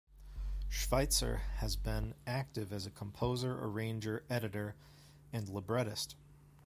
Schweizer has been active as a composer, arranger, editor, and librettist.